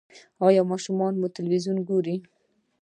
ایا ماشومان مو تلویزیون ګوري؟